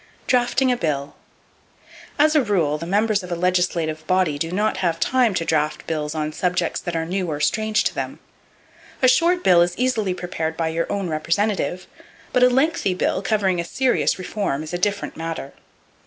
Drafting A Bill. —As a rule, the members of a legislative body do not have time to draft bills on subjects that are new or strange to them. A short bill is easily prepared by your own representative; but a lengthy bill, covering a serious reform, is a different matter.